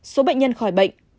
một số bệnh nhân khỏi bệnh